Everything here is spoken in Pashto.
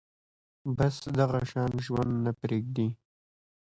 بس دغه شان ژوند نه پرېږدي